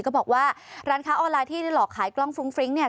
บอกว่าร้านค้าออนไลน์ที่ได้หลอกขายกล้องฟรุ้งฟริ้งเนี่ย